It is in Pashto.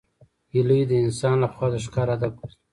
هیلۍ د انسان له خوا د ښکار هدف ګرځي